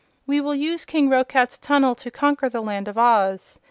We will use King Roquat's tunnel to conquer the Land of Oz.